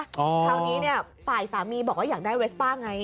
คราวนี้เนี่ยฝ่ายสามีบอกว่าอยากได้เวสป้าไง